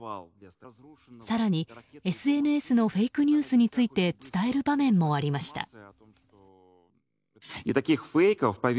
更に、ＳＮＳのフェイクニュースについて伝える場面もありました。